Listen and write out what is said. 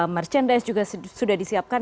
merchandise juga sudah disiapkan